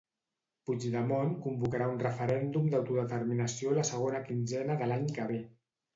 Puigdemont convocarà un referèndum d'autodeterminació la segona quinzena de l'any que ve.